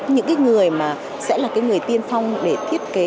những người mà sẽ là người tiên phong để thiết kế